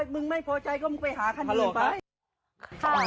มึงไม่พอใจก็มึงไปหาคันอื่นไป